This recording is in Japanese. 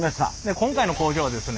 今回の工場はですね